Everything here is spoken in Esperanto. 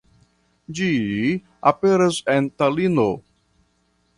Ĝi aperas en Talino.